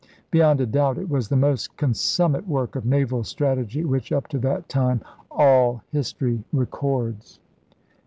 Beyond a doubt it was the most consummate work of naval strategy which, up to that time, all history records.